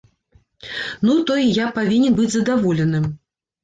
Ну то й я павінен быць задаволеным!